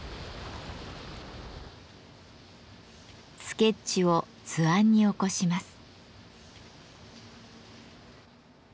スケッチを図案に起こします。